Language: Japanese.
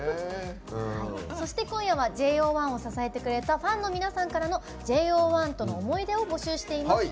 そして今夜はＪＯ１を支えてくれたファンの皆さんからのＪＯ１との思い出を募集しています。